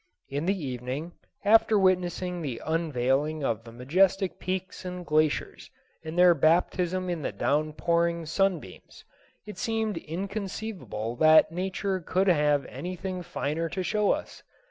In the evening, after witnessing the unveiling of the majestic peaks and glaciers and their baptism in the down pouring sunbeams, it seemed inconceivable that nature could have anything finer to show us.